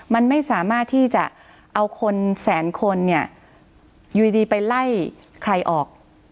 มันไม่สามารถที่จะเอาคนแสนคนเนี่ยอยู่ดีไปไล่ใครออก